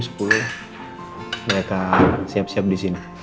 mereka siap siap disini